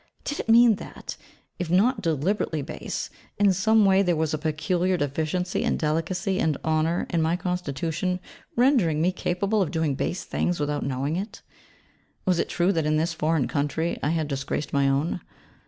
Did it mean that, if not deliberately base, in some way there was a peculiar deficiency in delicacy and honour in my constitution, rendering me capable of doing base things without knowing it? Was it true that in this foreign country I had disgraced my own?